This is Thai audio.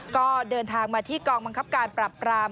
ก็เดินทางมาที่กองบังคับการปรับปราม